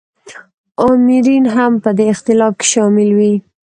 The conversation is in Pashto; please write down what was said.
آمرین هم په دې اختلاف کې شامل وي.